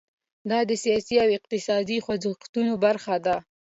دا د سیاسي او اقتصادي خوځښتونو برخه ده.